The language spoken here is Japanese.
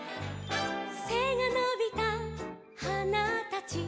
「せがのびたはなたち」